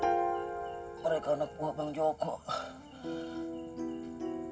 aku kira mereka anak buah bang jokowi